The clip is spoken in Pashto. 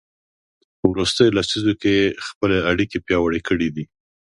په وروستیو لسیزو کې یې خپلې اړیکې پیاوړې کړي دي.